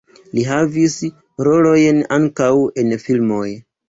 Li havis rolojn ankaŭ en filmoj.